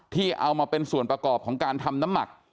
ที่เอามาเป็นส่วนประกอบของการทำน้ำหมัก